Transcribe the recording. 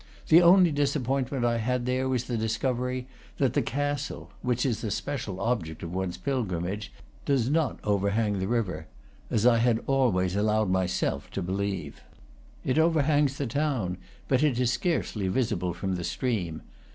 The only disappointment I had there was the discovery that the castle, which is the special object of one's pilgrimage, does not overhang the river, as I had always allowed myself to understand. It overhangs the town, but it is scarcely visible from the stream.